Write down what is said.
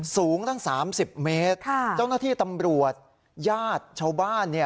สูงตั้ง๓๐เมตรเจ้าหน้าที่ตำรวจญาติชาวบ้าน